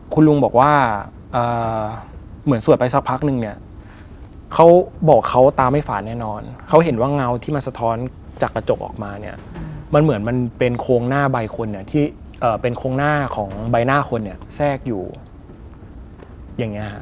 คุณลุงบอกว่าเหมือนสวดไปสักพักนึงเนี่ยเขาบอกเขาตาไม่ฝาแน่นอนเขาเห็นว่าเงาที่มันสะท้อนจากกระจกออกมาเนี่ยมันเหมือนมันเป็นโครงหน้าใบคนเนี่ยที่เป็นโครงหน้าของใบหน้าคนเนี่ยแทรกอยู่อย่างนี้ฮะ